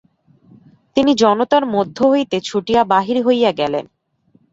তিনি জনতার মধ্য হইতে ছুটিয়া বাহির হইয়া গেলেন।